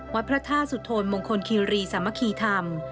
วัดพระธาตุสุโธนมงคลคีรีสามัคคีธรรม